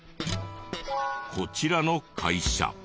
こちらの会社。